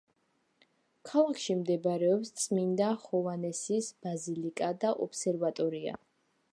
ქალაქში მდებარეობს წმინდა ჰოვანესის ბაზილიკა და ობსერვატორია.